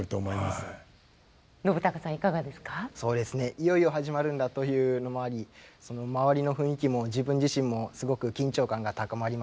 いよいよ始まるんだというのもあり周りの雰囲気も自分自身もすごく緊張感が高まりましたね。